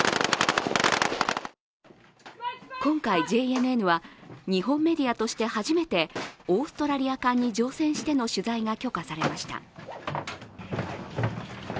今回ＪＮＮは日本メディアとして初めてオーストラリア艦に乗船しての取材が許可されました。